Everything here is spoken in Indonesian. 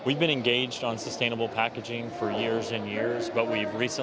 kami telah berpengalaman menggunakan pengumpulan yang berkualitas selama tahun tahun